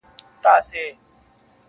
د رندانو په محفل کي د مستۍ په انجمن کي -